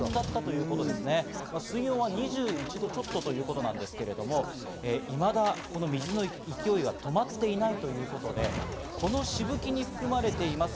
水温は２１度ちょっとということなんですけれども、未だこの水の勢いは止まっていないということで、このしぶきに含まれています